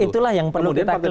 itulah yang perlu kita